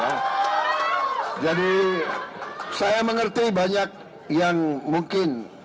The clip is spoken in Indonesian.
ya jadi saya mengerti banyak yang mungkin